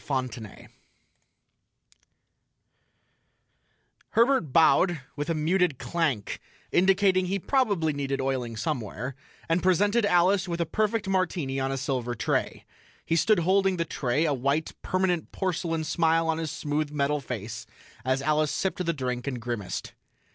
FONTENAY Herbert bowed with a muted clank indicating he probably needed oiling somewhere and presented Alice with a perfect martini on a silver tray. He stood holding the tray, a white, permanent porcelain smile on his smooth metal face, as Alice sipped the drink and grimaced.